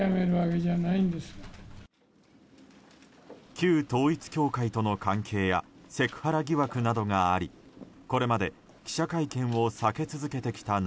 旧統一教会との関係やセクハラ疑惑などがありこれまで記者会見を避け続けてきた中